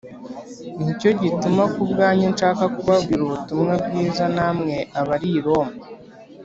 ni cyo gituma ku bwanjye nshaka kubabwira ubutumwa bwiza namwe abari i Roma.